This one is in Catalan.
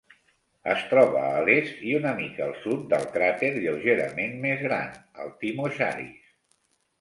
Es troba a l'est i una mica al sud del cràter lleugerament més gran, el Timocharis.